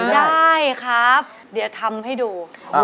ได้ครับเดี๋ยวทำให้ดู